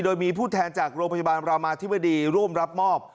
โดยมีผู้แทนจากโรงพยาบาลรามาธิบดีร่วมรับมอบ